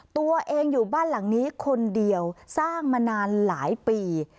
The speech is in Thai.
ตัวเองอยู่บ้านหลังนี้คนเดียวสร้างมานานหลายปี